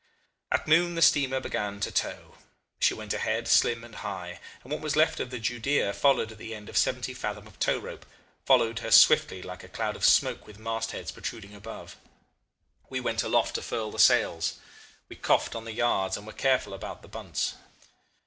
"At noon the steamer began to tow. She went ahead slim and high, and what was left of the Judea followed at the end of seventy fathom of tow rope, followed her swiftly like a cloud of smoke with mastheads protruding above. We went aloft to furl the sails. We coughed on the yards, and were careful about the bunts.